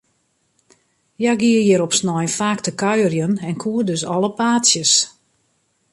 Hja gie hjir op snein faak te kuierjen, en koe dus alle paadsjes.